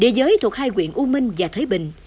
địa giới thuộc hai quyện u minh và thới bình